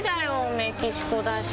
メキシコだし。